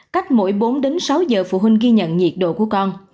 cách mỗi bốn đến sáu giờ phụ huynh ghi nhận nhiệt độ của con